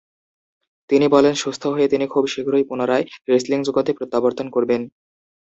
তিনি বলেন সুস্থ হয়ে তিনি খুব শীঘ্রই পুনরায় রেসলিং জগতে প্রত্যাবর্তন করবেন।